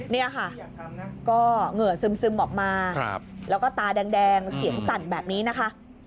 นี่ค่ะก็เหงื่อซึมออกมาแล้วก็ตาแดงเสียงสั่นแบบนี้นะคะ